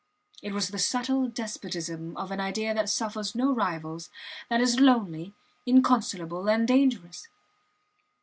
It was the subtle despotism of an idea that suffers no rivals, that is lonely, inconsolable, and dangerous.